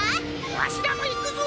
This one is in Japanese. わしらもいくぞ！